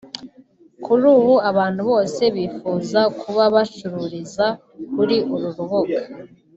kuri ubu abantu bose bifuza kuba bacururiza kuri uru rubuga